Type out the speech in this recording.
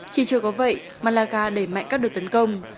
chứ chưa có vậy malaga đẩy mạnh các đợt tấn công